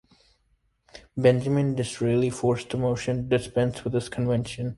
Benjamin Disraeli forced a motion to dispense with this convention.